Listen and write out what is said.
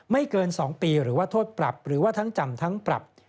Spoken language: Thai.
เกิน๒ปีหรือว่าโทษปรับหรือว่าทั้งจำทั้งปรับ